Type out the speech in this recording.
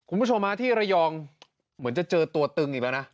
คุณผู้ชมฮะที่ระยองเหมือนจะเจอตัวตึงอีกแล้วนะ